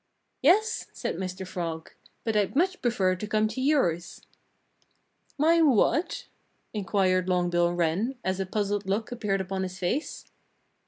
"Yes!" said Mr. Frog. "But I'd much prefer to come to yours." "My what?" inquired Long Bill Wren, as a puzzled look appeared upon his face.